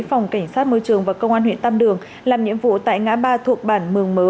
phòng cảnh sát môi trường và công an huyện tam đường làm nhiệm vụ tại ngã ba thuộc bản mường mớ